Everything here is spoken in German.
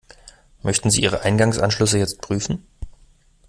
Möchten Sie Ihre Eingangsanschlüsse jetzt prüfen?